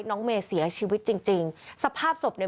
น้องเมย์เสียชีวิตจริงจริงสภาพศพเนี่ย